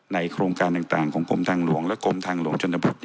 โครงการต่างของกรมทางหลวงและกรมทางหลวงชนบท